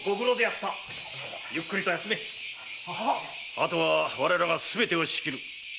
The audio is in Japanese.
あとは我らがすべてを仕切る。